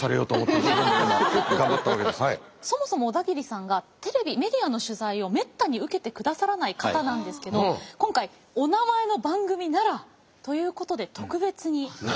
そもそも小田切さんがメディアの取材をめったに受けてくださらない方なんですけど今回「おなまえ」の番組ならということで特別に取材に応じて。